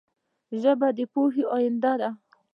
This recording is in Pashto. ژبه د پوهې آینه ده